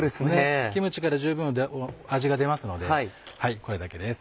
キムチから十分味が出ますのでこれだけです。